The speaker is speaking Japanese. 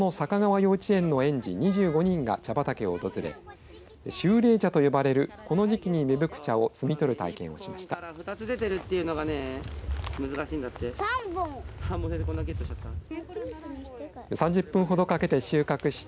幼稚園の園児２５人が茶畑を訪れ秋冷茶と呼ばれるこの時期に芽吹く茶を摘み取る体験をしました。